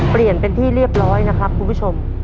เปลี่ยนเป็นที่เรียบร้อยนะครับคุณผู้ชม